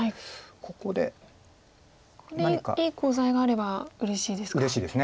ここでいいコウ材があればうれしいですか。